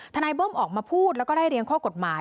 เบิ้มออกมาพูดแล้วก็ไล่เรียงข้อกฎหมาย